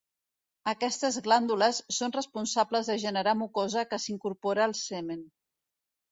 Aquestes glàndules són responsables de generar mucosa que s'incorpora al semen.